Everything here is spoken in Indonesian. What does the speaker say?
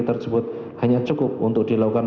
tersebut hanya cukup untuk dilakukan